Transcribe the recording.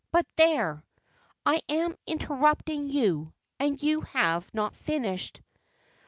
But there! I am interrupting you, and you have not finished."